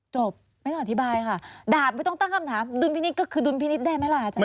จบไม่ต้องอธิบายค่ะดาบไม่ต้องตั้งคำถามดุลพินิษฐ์ก็คือดุลพินิษฐ์ได้ไหมล่ะอาจาร